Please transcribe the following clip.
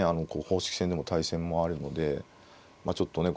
公式戦でも対戦もあるのでちょっとね